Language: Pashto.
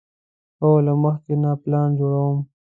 هو، له مخکې نه پلان جوړوم